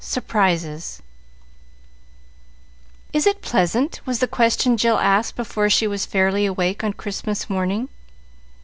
Surprises "Is it pleasant?" was the question Jill asked before she was fairly awake on Christmas morning.